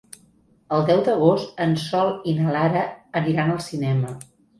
El deu d'agost en Sol i na Lara aniran al cinema.